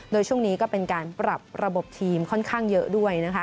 โดยช่วงนี้ก็เป็นการปรับระบบทีมค่อนข้างเยอะด้วยนะคะ